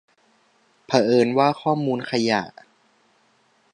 เผอิญว่าข้อมูลขยะ